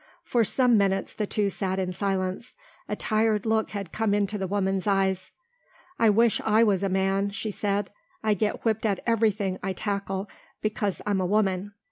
For some minutes the two sat in silence. A tired look had come into the woman's eyes. "I wish I was a man," she said. "I get whipped at everything I tackle because I'm a woman.